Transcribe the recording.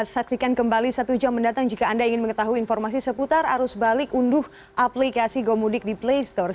saksikan kembali satu jam mendatang jika anda ingin mengetahui informasi seputar arus balik unduh aplikasi gomudik di play store